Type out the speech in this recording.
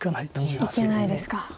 いけないですか。